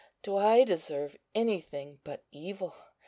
Do I deserve anything but evil?